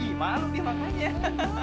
ih malu dia makanya